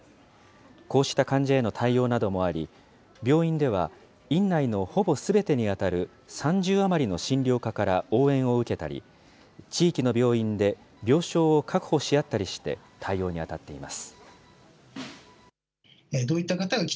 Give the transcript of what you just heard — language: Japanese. こうした患者への対応などもあり、病院では院内のほぼすべてに当たる３０余りの診療科から応援を受けたり、地域の病院で病床を確保し合ったりして、対応に当たっています。